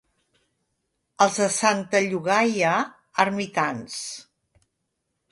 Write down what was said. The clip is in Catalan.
Els de Santa Llogaia, ermitans.